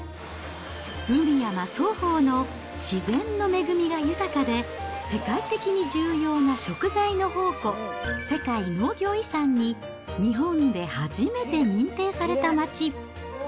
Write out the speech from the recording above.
海山双方の自然の恵みが豊かで、世界的に重要な食材の宝庫、世界農業遺産に、日本で初めて認定された町。